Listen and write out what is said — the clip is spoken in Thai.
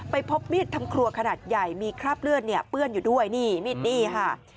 พบมีดทำครัวขนาดใหญ่มีคราบเลือดเนี่ยเปื้อนอยู่ด้วยนี่มีดนี่ค่ะ